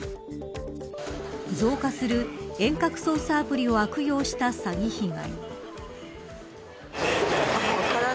増加する遠隔操作アプリを悪用した詐欺被害。